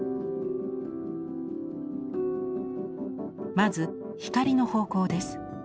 まず光の方向です。